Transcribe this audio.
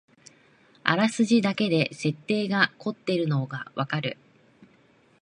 あらすじだけで設定がこってるのがわかる